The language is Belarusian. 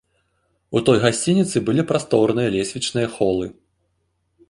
У той гасцініцы былі прасторныя лесвічныя холы.